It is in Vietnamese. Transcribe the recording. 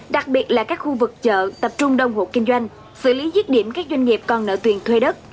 đặc biệt là các khu vực chợ tập trung đông hộp kinh doanh xử lý giết điểm các doanh nghiệp còn nợ tiền thuê đất